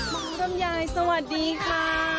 บางทุ่มยายสวัสดีค่ะ